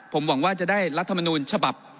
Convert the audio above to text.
ผมหวังว่าจะได้รัฐมนูลฉบับ